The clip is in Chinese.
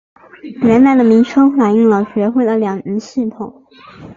原来的名称反应了学会的两级系统。